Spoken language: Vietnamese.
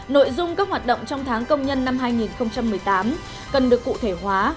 nội dung các hoạt động trong tháng công nhân năm hai nghìn một mươi tám cần được cụ thể hóa